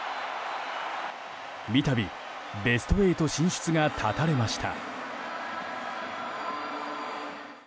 三度、ベスト８進出が絶たれました。